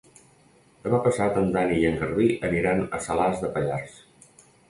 Demà passat en Dan i en Garbí aniran a Salàs de Pallars.